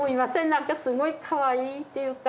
なんかすごいかわいいっていうか。